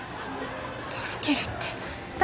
助けるって。